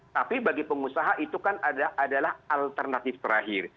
tapi bagi pengusaha itu kan adalah alternatif terakhir